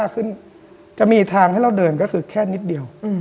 ขึ้นจะมีทางให้เราเดินก็คือแค่นิดเดียว